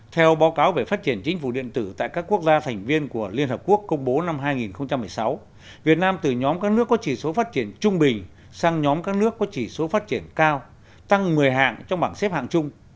theo báo cáo về phát triển chính phủ điện tử tại các quốc gia thành viên của liên hợp quốc công bố năm hai nghìn một mươi sáu việt nam từ nhóm các nước có chỉ số phát triển trung bình sang nhóm các nước có chỉ số phát triển cao tăng một mươi hạng trong bảng xếp hạng chung